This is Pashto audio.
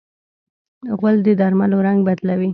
غول د درملو رنګ بدلوي.